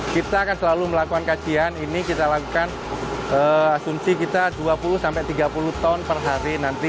kita akan selalu melakukan kajian ini kita lakukan asumsi kita dua puluh tiga puluh ton per hari nanti